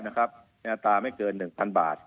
อัตราไม่เกิน๑๐๐๐บาท